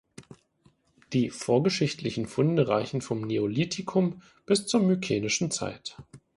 Die vorgeschichtlichen Funde reichen vom Neolithikum bis zur Mykenischen Zeit.